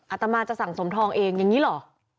อาตมาจะสั่งสมทองเองอย่างนี้เหรอ